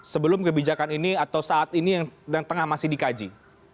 sebelum kebijakan ini atau saat ini yang tengah masih dikaji